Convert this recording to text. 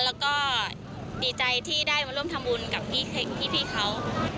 และก็ดีใจที่ได้มาร่วมทำบุญกับพี่เขา